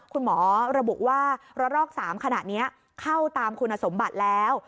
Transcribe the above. คุณหมอระบุว่าระลอก๓ขณะนี้เข้าตามคุณสมบัติแล้ว